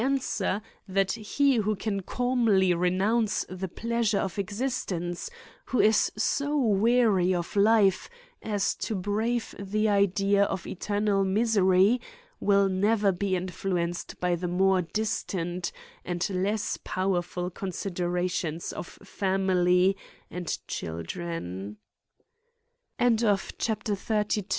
127 swer, that he who can calmly renounce the plea sure of existence, who is so weary of life as to brave the idea of eternal misery, will never be influenced by the more distant and less powerful considerations of family